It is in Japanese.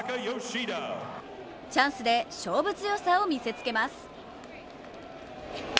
チャンスで勝負強さを見せつけます。